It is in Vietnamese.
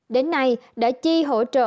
đến nay đã chi hỗ trợ